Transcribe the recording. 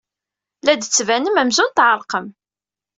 La d-tettbanem amzun tɛerqem.